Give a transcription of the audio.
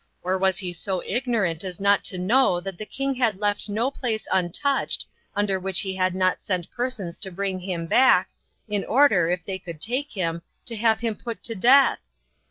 Or was he so ignorant as not to know that the king had left no place untouched unto which he had not sent persons to bring him back, in order, if they could take him, to have him put to death?"